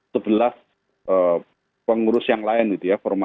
sebelas pengurus yang lain gitu ya